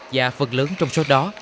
và phần lớn trong số đó